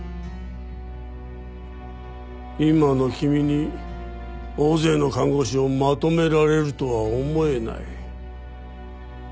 今の君に大勢の看護師をまとめられるとは思えない。